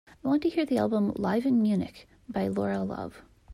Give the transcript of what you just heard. I want to hear the album Live In Munich by Laura Love.